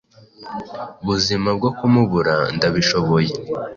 Buzima bwo kumubura ndabishoboye